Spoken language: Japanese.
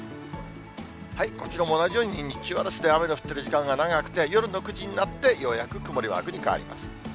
こちらも同じように日中は雨の降っている時間が長くて、夜の９時になって、ようやく曇りマークに変わります。